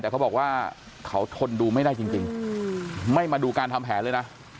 แต่เขาบอกว่าเขาทนดูไม่ได้จริงไม่มาดูการทำแผนเลยนะ